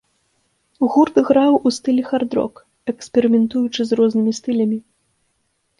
Гурт граў у стылі хард-рок, эксперыментуючы з рознымі стылямі.